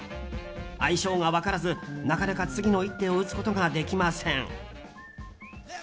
相性が分からず、なかなか次の一手を打つことができません。